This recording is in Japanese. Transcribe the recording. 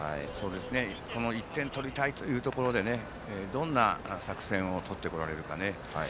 １点取りたいというところで、どんな作戦をとってこられるか。